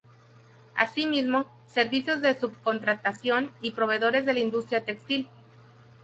Asimismo, servicios de subcontratación y proveedores de la industria textil.